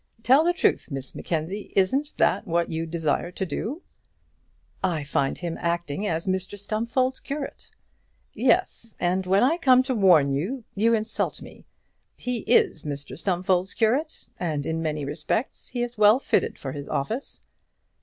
Tell the truth, Miss Mackenzie, isn't that what you desire to do?" "I find him acting as Mr Stumfold's curate." "Yes; and when I come to warn you, you insult me. He is Mr Stumfold's curate, and in many respects he is well fitted for his office."